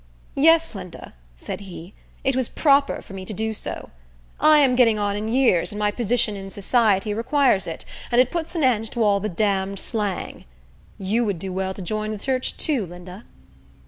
"Yes, Linda," said he. "It was proper for me to do so. I am getting in years, and my position in society requires it, and it puts an end to all the damned slang. You would do well to join the church, too, Linda."